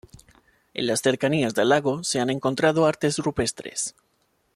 En las cercanías del lago se han encontrado artes rupestres.